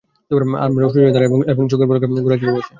আমরও সোজা হয়ে দাঁড়ায় এবং চোখের পলকে ঘোড়ায় চেপে বসে।